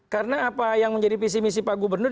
karena apa yang menjadi visi misi pak gubernur